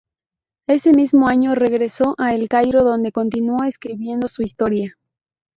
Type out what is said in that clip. Ese mismo año regresó a el Cairo donde continuó escribiendo su historia.